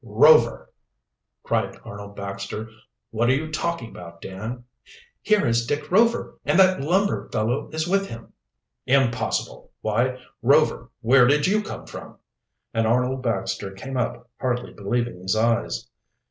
"Rover!" cried Arnold Baxter. "What are you talking about, Dan?" "Here is Dick Rover! And that lumber fellow is with him." "Impossible! Why, Rover, where did you come from?" And Arnold Baxter came up, hardly believing his eyes.